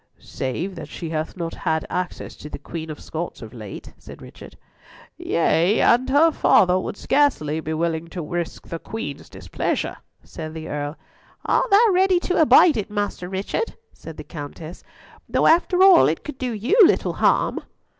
"Save that she hath not had access to the Queen of Scots of late," said Richard. "Yea, and her father would scarcely be willing to risk the Queen's displeasure," said the Earl. "Art thou ready to abide it, Master Richard?" said the Countess, "though after all it could do you little harm."